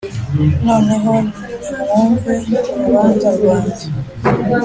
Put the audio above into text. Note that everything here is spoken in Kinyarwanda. Noneho nimwumve urubanza rwanjye